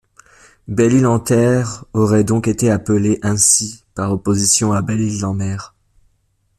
Belle-Isle-en-Terre aurait donc été appelée ainsi par opposition à Belle-Ile-en-Mer.